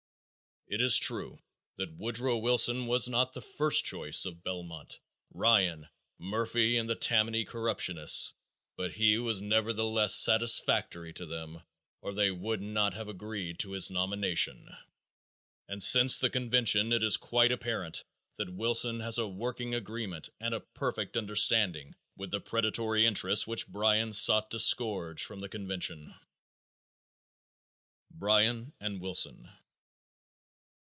It is true that Woodrow Wilson was not the first choice of Belmont, Ryan, Murphy and the Tammany corruptionists, but he was nevertheless satisfactory to them or they would not have agreed to his nomination, and since the convention it is quite apparent that Wilson has a working agreement and a perfect understanding with the predatory interests which Bryan sought to scourge from the convention. _Bryan and Wilson.